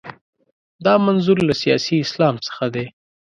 دا منظور له سیاسي اسلام څخه دی.